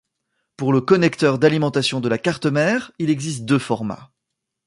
Pour le connecteur d'alimentation de la carte mère, il existe deux formats.